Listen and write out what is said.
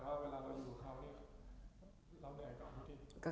แต่ว่าเรามาอย่าอยู่กับเขาเราเหนื่อยก่อน